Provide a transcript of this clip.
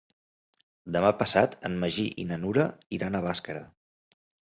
Demà passat en Magí i na Nura iran a Bàscara.